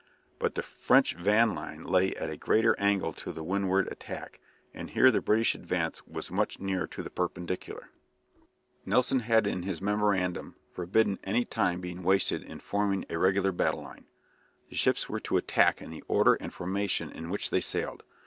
But the French van line lay at a greater angle to the windward attack, and here the British advance was much nearer the perpendicular. Nelson had in his memorandum forbidden any time being wasted in forming a regular battle line. The ships were to attack in the order and formation in which they sailed.